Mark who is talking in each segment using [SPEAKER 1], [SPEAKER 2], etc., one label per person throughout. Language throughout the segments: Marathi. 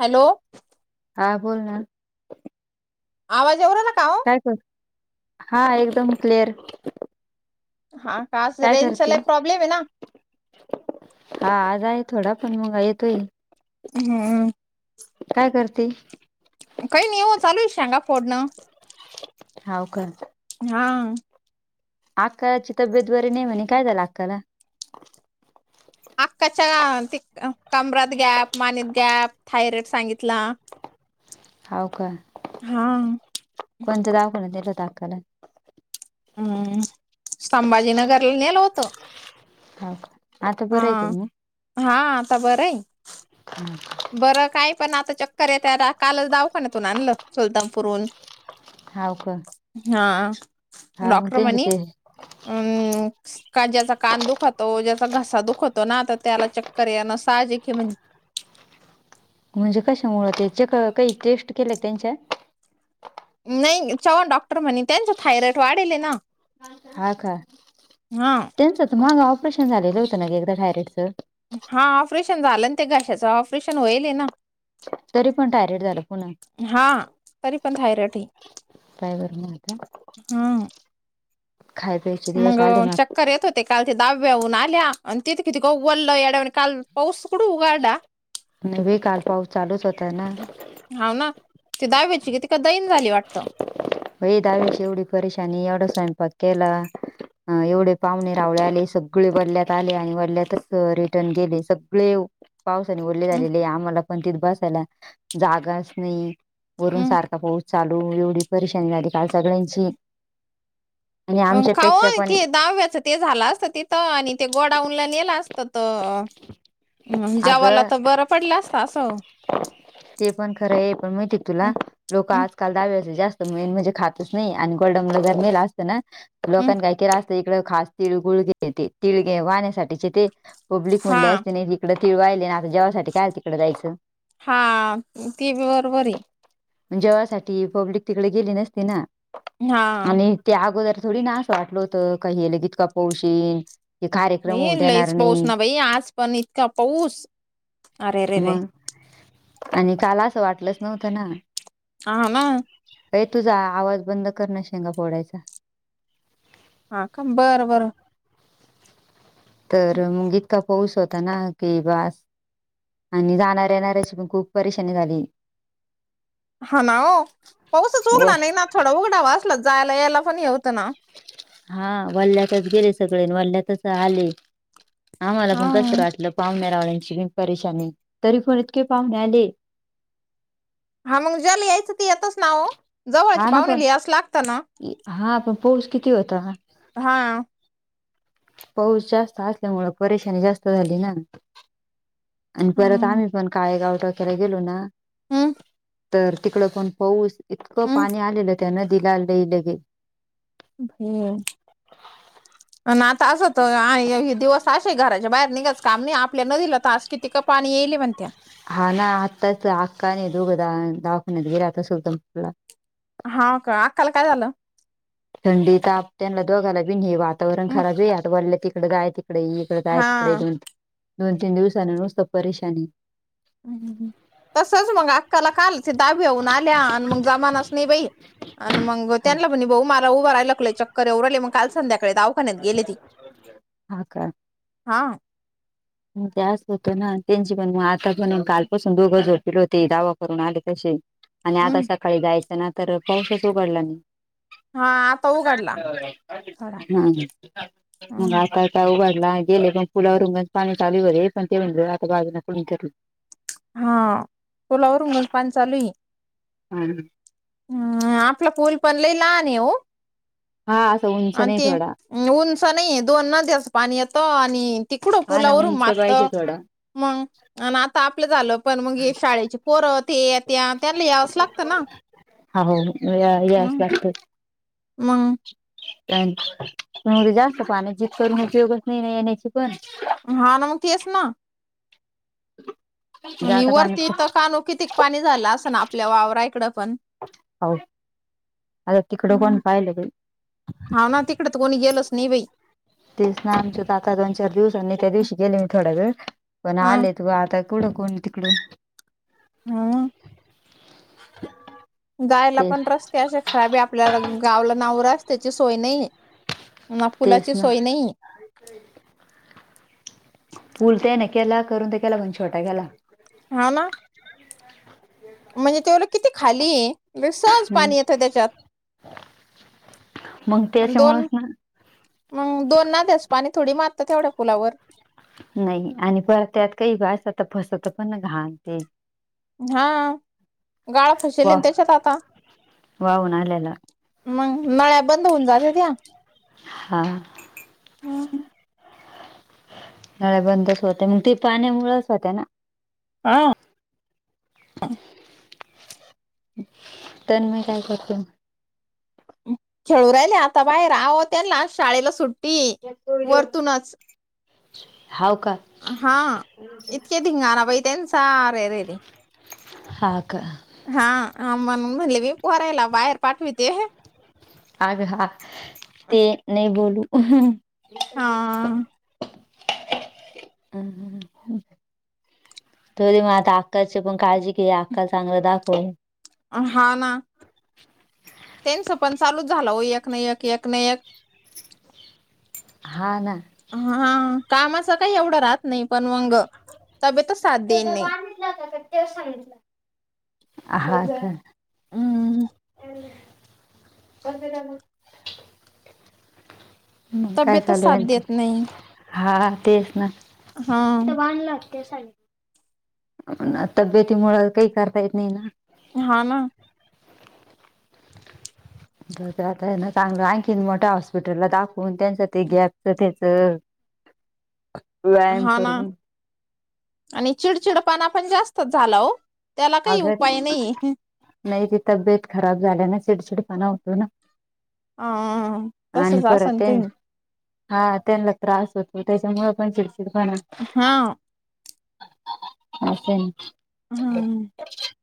[SPEAKER 1] हॅलो,
[SPEAKER 2] हा बोल ना.
[SPEAKER 1] आवाज येऊ राहला काओ?
[SPEAKER 2] ऐकू आलं, हा एकदम क्लिअर.
[SPEAKER 1] हा का, असं
[SPEAKER 2] काय
[SPEAKER 1] रेंज चा
[SPEAKER 2] करते
[SPEAKER 1] लई प्रॉब्लेम आहे ना,
[SPEAKER 2] हा आज आहे थोडा, पण मंग येतो ये.
[SPEAKER 1] हम्,
[SPEAKER 2] काय करती?
[SPEAKER 1] काही नाही ओ, चालू आहे शेंगा फोडणं.
[SPEAKER 2] हावं का.
[SPEAKER 1] हा,
[SPEAKER 2] आक्काची तब्येत बरी नाहीे म्हणे. काय झालं आक्का ला? [inaudible]
[SPEAKER 1] आक्काच्या ते कमरात गॅप, मानेत गॅप, थायरॉईड सांगितला.
[SPEAKER 2] हव का,
[SPEAKER 1] हा
[SPEAKER 2] कोणत्या दवाखान्यात नेलं होतं आक्का ला?
[SPEAKER 1] हम्म, संभाजीनगरला नेलं होतं.
[SPEAKER 2] हवं का, आक्का
[SPEAKER 1] हा
[SPEAKER 2] बरे आहेत व मग
[SPEAKER 1] हा, आता बरं हे.
[SPEAKER 2] [unintelligible]
[SPEAKER 1] बरं काही पण आता चक्कर येतंय आता, कालचं दावाखान्यातून आणलं सुलतानपूरून.
[SPEAKER 2] हाव का
[SPEAKER 1] हा,
[SPEAKER 2] हा मग
[SPEAKER 1] डॉक्टर
[SPEAKER 2] त्यांचे
[SPEAKER 1] म्हणे
[SPEAKER 2] ते
[SPEAKER 1] ह का ज्याचा कान दुखतो, ज्याचा घसा दुखतो ना, त त्याला चक्कर येन साहजिक हे म्हणे.
[SPEAKER 2] म्हणजे कशामुळं ते, चेक काही टेस्ट केल्या त्यांच्या?
[SPEAKER 1] नाही चव्हाण डॉक्टर म्हणे, त्यांचं थायरॉइड वाढेल येना.
[SPEAKER 2] हा का, त्यांच त मागं ऑपरेशन झालेलं होतं न ग एकदा थायरॉईडचं?
[SPEAKER 1] हा ऑपरेशन झालंन ते घशाचं ऑपरेशन होईल हे ना.
[SPEAKER 2] तरी पण थायरॉईड झालं पुन्हा?
[SPEAKER 1] हा. तरी पण थायरॉइड आहे
[SPEAKER 2] काय करणार आता.
[SPEAKER 1] हा,
[SPEAKER 2] खाय प्यायचे दिवस
[SPEAKER 1] मग
[SPEAKER 2] आले ना
[SPEAKER 1] चक्कर येतं होत ते काल ते दहाव्याहून आल्या. अन तेथी किती [unintelligible] येड्यावानी काल पाऊस कुठं उघडला.
[SPEAKER 2] नाही बाई, काल पाऊस चालूच होतय ना,
[SPEAKER 1] हाव ना, ते दहाव्याची कितीका दईन झाली वाटतं.
[SPEAKER 2] होइ दहाव्याची ऐवढी परेशानी, एवढा स्वयंपाक केला. एवढे पाहुणे रावळे आले सगळे वाल्यांत आले. आणि वाल्यातंच रिटर्न गेले. सगळे पावसाने वले
[SPEAKER 1] हम्म
[SPEAKER 2] झालेले. आम्हाला पण तिथं बसायला जागाच नाही. वरून
[SPEAKER 1] हम्म.
[SPEAKER 2] सारखा पाऊस चालू एवढी परेशानी झाली काल सगळ्यांची. आणि आमच्यापेक्षा
[SPEAKER 1] कावं
[SPEAKER 2] पण
[SPEAKER 1] ते दहाव्याचं ते झाला असतं तिथं, आणि ते गोडाऊन ला नेलं अस त त जेवाला
[SPEAKER 2] अगं
[SPEAKER 1] त बरं पडलं असत असं
[SPEAKER 2] ते पण खरं आहे, पण माहिती आहे तुला
[SPEAKER 1] हम्म,
[SPEAKER 2] लोकं
[SPEAKER 1] हम्म,
[SPEAKER 2] आजकाल दहावेचे जास्त मेन म्हणजे खातच नाही. आणि गोडाऊन जर नेला तना,
[SPEAKER 1] हम्म.
[SPEAKER 2] लोकांन काही केला असतं इकडं खास तिळगुळघे तिळगे वाहण्यासाठीचे ते पब्लिक
[SPEAKER 1] हा
[SPEAKER 2] म्हणले असते न इकडे तीळ वाहिले न आता जेवा
[SPEAKER 1] हा, ती बी बरोबर आहे.
[SPEAKER 2] जेवासाठी पब्लिक तिकडे गेली नसती ना,
[SPEAKER 1] हा
[SPEAKER 2] आणि त्या अगोदर थोडी ना असं वाटल होतं काही हेलंगितका पोशी,
[SPEAKER 1] बई लईच पाऊस ना बाई आज पण इतका पाऊस. अरे रे रे
[SPEAKER 2] मग आणि काल असं वाटलंच नव्हतं ना.
[SPEAKER 1] हा मग
[SPEAKER 2] ताई तुझा आवाज बंद कर ना शेंगा फोडायचा.
[SPEAKER 1] हा का बरं बरं
[SPEAKER 2] तर मग इतका पाऊस होता ना की बास. आणि जाणार येणाऱ्याची पण खूप परेशानी झाली.
[SPEAKER 1] हा ना हो पाऊसच उघड
[SPEAKER 2] वय
[SPEAKER 1] नाही ना थोडा उघडा वाचलाच जायला यायला पण हे होत ना.
[SPEAKER 2] हा वल्ल्यातच गेले सगळे वल्ल्यातच आले. आम्हाला
[SPEAKER 1] हा
[SPEAKER 2] पन कसतरी वाटलं पावनं रावळ्यांची परेशानी तरी पण इतके पाहुणे आले.
[SPEAKER 1] हा मग ज्याला यायचं ती येतच ना हो जवळची
[SPEAKER 2] हा ना
[SPEAKER 1] पाहुणे
[SPEAKER 2] पण
[SPEAKER 1] लि यावं लागतंच ना
[SPEAKER 2] हा पण पाऊस किती होता ना.
[SPEAKER 1] हा
[SPEAKER 2] पाऊस जास्त असल्यामुळे परेशानी जास्त झाली ना. आणि परत
[SPEAKER 1] हम्म
[SPEAKER 2] आम्ही पण काळेगाव टोक्याला गेलो ना.
[SPEAKER 1] हम्म
[SPEAKER 2] तर तिकडं पण पाऊस इतकं पाणी आलेलं त्या नदीला लई लई.
[SPEAKER 1] ह आणि आता असंत आणि दिवस [inaudible] असशे घराच्या बाहेर निघाच काम आपल्या नदीला तास कि तिकं पाणी येईली म्हणत्या.
[SPEAKER 2] हा ना आत्ताच अक्का आणि दोघं दवाखान्यात गेले आता सुलत्नपूरला.
[SPEAKER 1] हा का अक्काला काय झालं?
[SPEAKER 2] थंडी ताप त्यांना दोघायला बी नाही वातावरण
[SPEAKER 1] हम्म.
[SPEAKER 2] खराब आहे आता वल्या तिकडे जाय तिकडे येई त काय तिकडे
[SPEAKER 1] हा
[SPEAKER 2] दोन दोन तीन दिवसाने नुसतं परेशानी.
[SPEAKER 1] हम्म तसच मग अक्काला कालच दाबेऊन आल्या आणि मग जमानास नाही बाई. आणि मग
[SPEAKER 2] हा
[SPEAKER 1] त्यानला पण भाऊ उभ राय लागले चक्कर येऊ राहिले मग काल संध्याकाळी दावाखान्यात गेली नाही.
[SPEAKER 2] हा
[SPEAKER 1] हा
[SPEAKER 2] मग ते असं होतं ना त्यांची पण मग आता पण कालपासून दोघं झोपले होते दवा करून आले तसे, आणि आता
[SPEAKER 1] हम्म
[SPEAKER 2] सकाळी जायचं ना तर पाऊसच उघडला नाही.
[SPEAKER 1] हा आता उघडला थोडा
[SPEAKER 2] हम् मग
[SPEAKER 1] हम्म
[SPEAKER 2] आता [inaudible] उभारला गेले पण पुलावरुनच पाणी चालू होते पण ते म्हणज आता बाजू कुणी करली [inaudible]
[SPEAKER 1] हा पुलावरूनच पाणी चालू आहे.
[SPEAKER 2] हा
[SPEAKER 1] हम् आपला पूल पण लई लहान आहे हो.
[SPEAKER 2] हा असं उंच
[SPEAKER 1] आणि
[SPEAKER 2] नाही
[SPEAKER 1] ते
[SPEAKER 2] थोडा.
[SPEAKER 1] उंच नाही दोन नद्याचं पाणी येतं आणि तिकडं
[SPEAKER 2] हा ना
[SPEAKER 1] पुलावरून
[SPEAKER 2] उंच
[SPEAKER 1] मातत.
[SPEAKER 2] पाहिजे थोडा
[SPEAKER 1] मग आणि आता आपलं झालं पण मग शाळेची, पोर ते येत्या त्यांना यावचं लागतं ना.
[SPEAKER 2] हो या यावंच लागतं.
[SPEAKER 1] मग
[SPEAKER 2] जास्त पाण्या जि करून उपयोगच नाही ना येण्याची पण [inaudible]
[SPEAKER 1] हा ना मग तेच ना आणि
[SPEAKER 2] जाता
[SPEAKER 1] वरती
[SPEAKER 2] पाण्यात
[SPEAKER 1] इथ कानो किती पाणी झालं असं ना आपल्या वावराकडं पण,
[SPEAKER 2] हो आता तिकडं
[SPEAKER 1] हम्म.
[SPEAKER 2] कोन पाहिलं ग
[SPEAKER 1] हा ना तिकडे तर कोणी गेलच नाही बाई.
[SPEAKER 2] तेच ना आमचे काका दोन चार दिवसांनी त्या दिवशी गेले मी थोडा वेळ पण
[SPEAKER 1] अ
[SPEAKER 2] आले त आता कुंड कोण तिकडं?
[SPEAKER 1] हा
[SPEAKER 2] [inaudible]
[SPEAKER 1] जायला
[SPEAKER 2] तेच
[SPEAKER 1] पण रस्ते असे खराब आहे आपल्याला गावला नावर रसत्याची सोय नाहीये.
[SPEAKER 2] तेच ना पूल त्याने केला करून ते केला पण छोटा केला.
[SPEAKER 1] हा ना म्हणजे तेवल किती खाली ये. तवाच पाणी
[SPEAKER 2] हम्म
[SPEAKER 1] येतं त्याच्यात
[SPEAKER 2] मग
[SPEAKER 1] अन दोन
[SPEAKER 2] त्याच्यामुळेच ना
[SPEAKER 1] मंग दोन ना [unintelligible] पाणी थोडी मारतात तेवढ्या पुलावर.
[SPEAKER 2] नाई आणि परत त्यात काही बाय असत फसत पण घालते
[SPEAKER 1] हा गाळा फशिले
[SPEAKER 2] वा
[SPEAKER 1] अन त्याच्यात आता.
[SPEAKER 2] वाहून आल्याला
[SPEAKER 1] मंग नळ्या बंद होऊन जातत्या.
[SPEAKER 2] हा
[SPEAKER 1] [unintelligible]
[SPEAKER 2] नळ्या बंदच होत्या मंग ते पाण्यामुळच होत्या ना.
[SPEAKER 1] हा
[SPEAKER 2] तन्मय काय करतोय?
[SPEAKER 1] खेळू राहिले आता बाहेर आव त्यानला शाळेला सूट टी वरतूनच
[SPEAKER 2] हाव का
[SPEAKER 1] हा इतके धिंगारा बाई त्यांचा अ रे रे रे
[SPEAKER 2] हा का
[SPEAKER 1] हा अ म्हण म्हणले मी पोहरायला बाहेर पाठविते
[SPEAKER 2] अग हा ते नाही बोलू
[SPEAKER 1] हा
[SPEAKER 2] [unintelligible] थोडी मग आता अक्काची पण काळजी घे अक्काला चांगल दाखव.
[SPEAKER 1] हा ना तेनचं पण चालूच झाल ओ एक ना एक एक ना एक
[SPEAKER 2] हा ना
[SPEAKER 1] हा कामाचं काही एवढं राहत नाही पण मंग तब्येतच साथ देतनई.
[SPEAKER 2] हा का
[SPEAKER 1] हम्म
[SPEAKER 2] [unintelligible] मंग काय
[SPEAKER 1] तब्येतच
[SPEAKER 2] चालू आहे
[SPEAKER 1] साथ
[SPEAKER 2] आणखीन
[SPEAKER 1] देत नाही
[SPEAKER 2] हा तेच ना
[SPEAKER 1] हा
[SPEAKER 2] काही करता येत नाही ना.
[SPEAKER 1] हा ना
[SPEAKER 2] द आता ना चांगलं आणखीन मोठ्या हॉस्पिटलला दाखवून त्यांचं ते गॅपच त्याच [inaudible]
[SPEAKER 1] हा ना
[SPEAKER 2] करून
[SPEAKER 1] आणि चिडचिडपणा पण जास्तच झाला ओ
[SPEAKER 2] अग नाही ते तब्येत खराब झाल्यान चिडचिडपणा होतो ना.
[SPEAKER 1] अ
[SPEAKER 2] आणि
[SPEAKER 1] तसच
[SPEAKER 2] परत
[SPEAKER 1] असन
[SPEAKER 2] ते
[SPEAKER 1] काही
[SPEAKER 2] हा त्यांना त्रास होतो, त्यांच्यामुळे पण चिडचिडपणा.
[SPEAKER 1] हा
[SPEAKER 2] असेन.
[SPEAKER 1] हम.
[SPEAKER 2] [inaudible]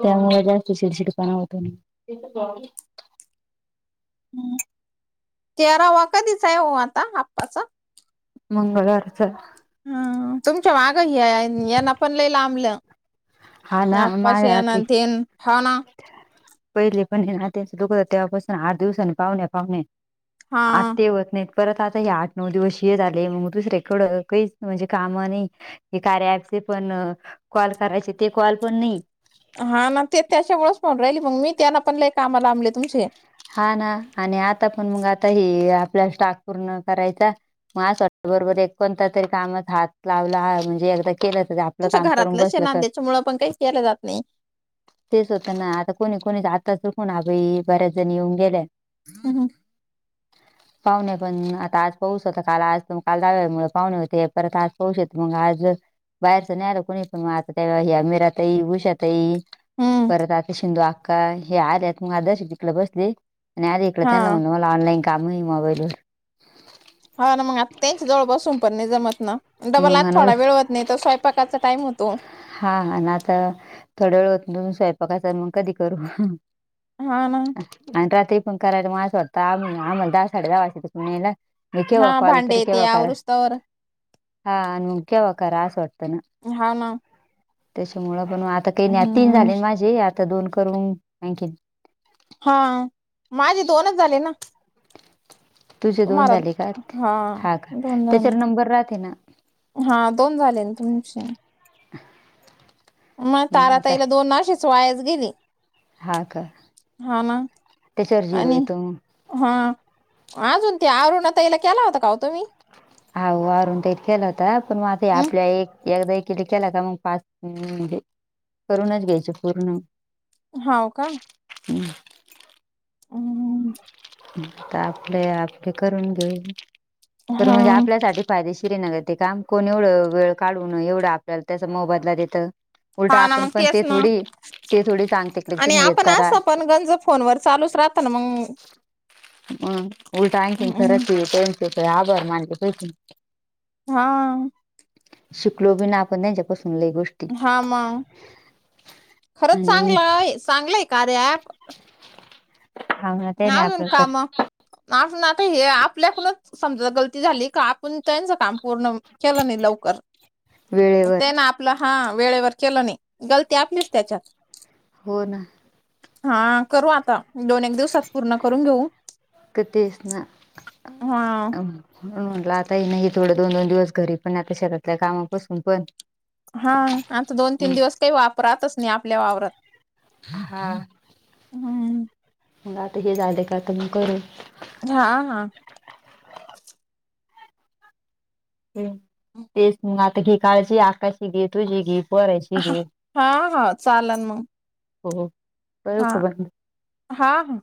[SPEAKER 2] त्यामुळे जास्ती चिडचिडपणा होतो ना.
[SPEAKER 1] तेरावा कधीच आहे हो, आता आप्पाचा?
[SPEAKER 2] मंगळवारचा.
[SPEAKER 1] अ.. तुमच्या माघ ही आहे, यांना पण लई लांबलं.
[SPEAKER 2] हा
[SPEAKER 1] त्या
[SPEAKER 2] ना
[SPEAKER 1] आप्पाची
[SPEAKER 2] माझ्या आती
[SPEAKER 1] आनं, तेन हो ना?
[SPEAKER 2] पहिले पण नातचं दुख, तेव्हापासून आठ दिवसानी पाहुण्या पाहुणे.
[SPEAKER 1] हा
[SPEAKER 2] आत्ते होत नाही. परत आता हे आठ नऊ दिवस ये झाले, मग दुसरेकड काहीच म्हणजे काम नही. हे कार्या आजचे पण कॉल करायचे, ते कॉल पण नाही.
[SPEAKER 1] हा ना ते त्यांच्यामुळेच पाहून राहिली मग, मी त्यांना पण लै काम लांबले तुमचे.
[SPEAKER 2] हा ना, आणि आता पण मग आता हे आपल्या स्टाक पूर्ण करायचा. मला असं वाटत बरोबर, एक कोणता तरी कामात हात लावला म्हणजे एकदा. केलं तर ते, आपलं
[SPEAKER 1] तुमचं
[SPEAKER 2] काम करून
[SPEAKER 1] घरातलंच आहे
[SPEAKER 2] बसलं
[SPEAKER 1] ना
[SPEAKER 2] तर.
[SPEAKER 1] त्याच्यामुळं पण काही केलं जात नाही
[SPEAKER 2] तेच होतं ना आता कोणी कोणी आता, चुकून आभई बऱ्याच जण येऊन गेल्या.
[SPEAKER 1] अहमं.
[SPEAKER 2] [inaudible] पाहुणे पण आता आज पाऊस होता, काल आज काल दहाव्या मुळं पाहुणे होते परत आज. पाऊस येतो मग आज बाहेरच नाही आलं कुणी, पण मग आता ते हे मीराताई, उषाताई.
[SPEAKER 1] हम्म
[SPEAKER 2] परत आता शिंंदू आक्का हे आलेत. मग [unintelligible] इकल बसले. आणि आले इकडे
[SPEAKER 1] हा
[SPEAKER 2] त्यांना म्हणल, मला ऑनलाईन काम आहे मोबाईल वर.
[SPEAKER 1] हा ना, मग आता तेनच्यां जवळ बसून पण नाही जमतं ना, डबल
[SPEAKER 2] मग
[SPEAKER 1] आत
[SPEAKER 2] अनु
[SPEAKER 1] थोडा वेळ होतं. नाही तर, स्वयंपाकाचा टाईम होतो.
[SPEAKER 2] हा हा नाक थोडावेळ होतं, स्वयंपाकाचा मग कधी करू.
[SPEAKER 1] हा ना.
[SPEAKER 2] आणि रात्री पण करायला मग असं होतं, आम्ही आम्हाला दहा साडे दहा वाजत्यात फोन यायला. मग केव्हा
[SPEAKER 1] हा
[SPEAKER 2] कॉल तरी
[SPEAKER 1] भांडे ते
[SPEAKER 2] केेव्हा करा,
[SPEAKER 1] आवरुस तवर
[SPEAKER 2] हा मगं केव्हा करा आस वाटत ना.
[SPEAKER 1] हांव ना.
[SPEAKER 2] त्याच्यामुळं पण आता काही न तीन
[SPEAKER 1] हम्म
[SPEAKER 2] झालेन, माझे आता दोन करून आणखीन.
[SPEAKER 1] हा, माझे दोनच झाले ना.
[SPEAKER 2] तुझे दोन
[SPEAKER 1] तुम्हारा
[SPEAKER 2] झाले का
[SPEAKER 1] हा
[SPEAKER 2] का
[SPEAKER 1] दोन झाले.
[SPEAKER 2] त्याच्यावर नंबर राहते ना
[SPEAKER 1] हा, दोन झाले ना तुमचे.
[SPEAKER 2] [inaudible]
[SPEAKER 1] मग
[SPEAKER 2] हम्म आता
[SPEAKER 1] ताराताईला दोन आशेच वायाच गेले.
[SPEAKER 2] हा का, त्यांच्यावर झिरू
[SPEAKER 1] आणि
[SPEAKER 2] येतो.
[SPEAKER 1] हा अजून ते, अरुणताईला केला होता का ओ तुम्ही.
[SPEAKER 2] आओ आरून ताईला केलं होता, पण माझ ते
[SPEAKER 1] हम्म
[SPEAKER 2] आपल्या एक. एकदा एक केला का, मग पाच म्हणजे करूनच घ्यायचे पूर्ण.
[SPEAKER 1] हांव का.
[SPEAKER 2] अमं.
[SPEAKER 1] अं.
[SPEAKER 2] आता आपले आप्पे करून घेऊ. तर
[SPEAKER 1] हा
[SPEAKER 2] म्हणजे आपल्यासाठी फायदेशीरय ना गं ते काम. कोण एवढं वेळ काढून एवढं आपल्याला त्याचा मोबदला देतं? उलटं
[SPEAKER 1] हा ना
[SPEAKER 2] आपण
[SPEAKER 1] मग
[SPEAKER 2] पण ते
[SPEAKER 1] तेच ना
[SPEAKER 2] थोडी, ते थोडी सांगते की तुम्ही हे करा.
[SPEAKER 1] अन् गंजत फोनवर चालूच राहत ना मग.
[SPEAKER 2] हम, उलटं आईचं
[SPEAKER 1] हम्म
[SPEAKER 2] खरचय, त्यांचे तर आभार मानले पाहिजे.
[SPEAKER 1] हा.
[SPEAKER 2] शिकलो बी न् आपण त्यांच्यापासून लई गोष्
[SPEAKER 1] हा मग! खरंच
[SPEAKER 2] आणि
[SPEAKER 1] चांगलाय, चांगलय कार्या अँप.
[SPEAKER 2] हा. हा. ते नाही आपलं तर.
[SPEAKER 1] ना नाता हे आपल्याकूनच समजा गलती झाली का पुण त्यांचं काम पूर्ण केलं नाही लवकर.
[SPEAKER 2] वेळेवर
[SPEAKER 1] त्यानं आपलं हा वेळेवर केलं नाही. गलती आपलीच त्याच्यात.
[SPEAKER 2] हो ना.
[SPEAKER 1] हा, करू आता. दोन-एक दिवसात पूर्ण करून घेऊ.
[SPEAKER 2] तर तेच ना
[SPEAKER 1] हा.
[SPEAKER 2] म्हणून म्हटलं. आता हे नाही थोडं दोन-दोन दिवस घरी पण आता शेतातल्या कामापसून पण
[SPEAKER 1] हा, आता दोन-तीन दिवस काही वापरातच नाही आपल्या वावरात.
[SPEAKER 2] हा.
[SPEAKER 1] हम्म
[SPEAKER 2] मग आता हे झाले का तुम्ही करून?
[SPEAKER 1] हा. हा.
[SPEAKER 2] हम. तेच मग आता घे काळजी, आकाशची घे, तुझी घे. पोरायची घे. हम्म.
[SPEAKER 1] हा हा चालन मग
[SPEAKER 2] हम्म. करू
[SPEAKER 1] हा
[SPEAKER 2] का बंद मग?
[SPEAKER 1] हा. हा.